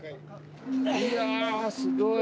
いやすごい。